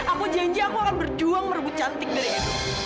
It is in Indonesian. aku janji aku akan berjuang merebut cantik dari itu